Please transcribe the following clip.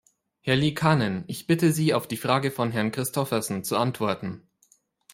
Herr Liikanen, ich bitte Sie, auf die Frage von Herrn Kristoffersen zu antworten.